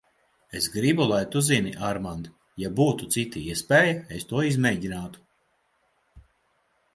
Es gribu, lai tu zini, Armand, ja būtu cita iespēja, es to izmēģinātu.